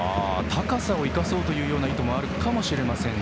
高さを生かそうという意図があるかも入れません。